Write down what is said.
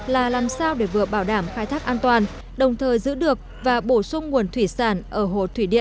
là làm sử dụng các hộ sinh kế